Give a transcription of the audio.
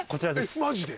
マジで？